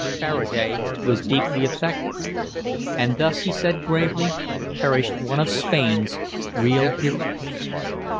Faraday was deeply affected. "And thus," he said gravely, "perished one of Spain's real heroes."